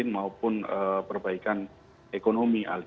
maupun perbaikan ekonomi aldi